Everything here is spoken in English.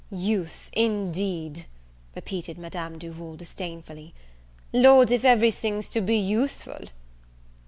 "Use, indeed!" repeated Madame Duval, disdainfully; "Lord if every thing's to be useful!